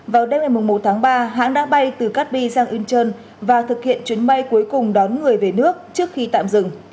vào đêm ngày một tháng ba hãng đã bay từ cát bi sang incheon và thực hiện chuyến bay cuối cùng đón người về nước trước khi tạm dừng